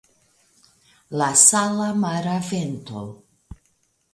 La sala mara vento!